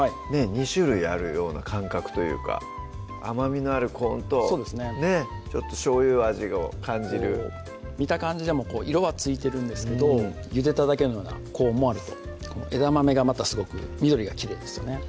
２種類あるような感覚というか甘みのあるコーンとそうですねちょっとしょうゆ味を感じる見た感じでも色はついてるんですけどゆでただけのようなコーンもあると枝豆がまたすごく緑がきれいですよね